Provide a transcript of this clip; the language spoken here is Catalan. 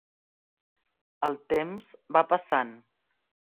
El temps va passant.